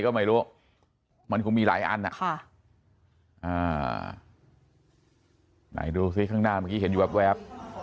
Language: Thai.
ก็ไม่รู้มันก็มีหลายอันนะข้างหน้าเห็นอยู่แบบ